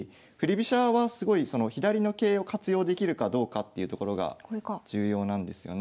飛車はすごいその左の桂を活用できるかどうかっていうところが重要なんですよね。